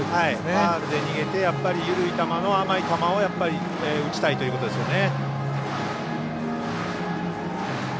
ファウルで逃げて緩い球の甘い球を打ちたいということですよね。